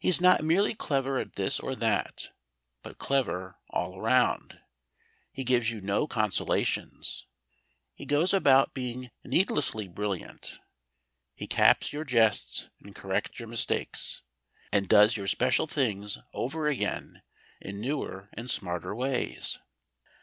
He is not merely clever at this or that, but clever all round; he gives you no consolations. He goes about being needlessly brilliant. He caps your jests and corrects your mistakes, and does your special things over again in newer and smarter ways.